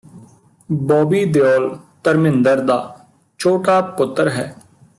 ਬੌਬੀ ਦਿਓਲ ਧਰਮਿੰਦਰ ਦਾ ਛੋਟਾਂ ਪੁੱਤਰ ਹੈ